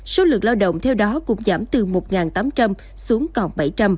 số lượng lao động theo đó cũng giảm từ một tám trăm linh xuống còn bảy trăm linh